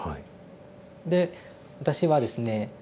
で私はですね